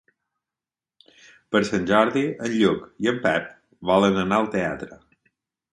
Per Sant Jordi en Lluc i en Pep volen anar al teatre.